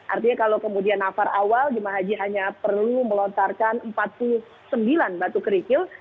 artinya kalau kemudian nafar awal jemaah haji hanya perlu melontarkan empat puluh sembilan batu kerikil